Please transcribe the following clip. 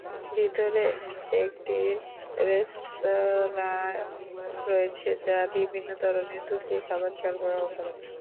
ভিতরে একটি রেস্তোঁরা রয়েছে যা বিভিন্ন ধরণের তুর্কি খাবার সরবরাহ করে।